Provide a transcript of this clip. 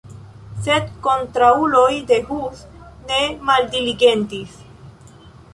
Sed kontraŭuloj de Hus ne maldiligentis.